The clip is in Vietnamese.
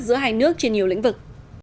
giữa hai nước trên nhiều lĩnh vực